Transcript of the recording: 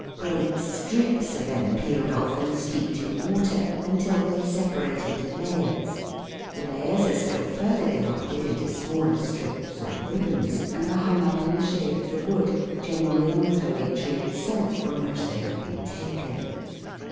Great strips are then peeled off and steeped in water until they separate into layers; the layers are still further divided into smaller strips or ribbons, and are hung up in the shade of the wood, generally on the very tree itself from which they have been taken.